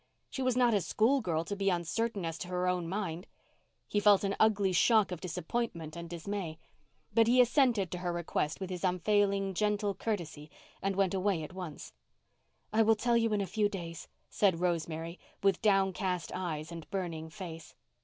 She was not a school girl to be uncertain as to her own mind. He felt an ugly shock of disappointment and dismay. But he assented to her request with his unfailing gentle courtesy and went away at once. "I will tell you in a few days," said Rosemary, with downcast eyes and burning face.